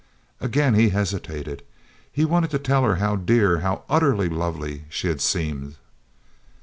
Again he hesitated; he wanted to tell her how dear, how utterly lovely, she had seemed.